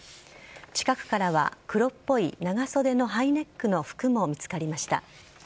近くからは黒っぽい長袖のハイネックの服も見つかりました。